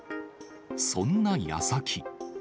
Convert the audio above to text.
そんなやさき。